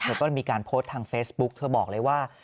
เธอก็มีการโพสต์ทางเฟซบุ๊กเธอบอกเลยว่า